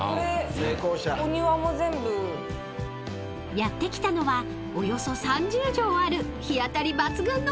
［やって来たのはおよそ３０畳ある日当たり抜群の］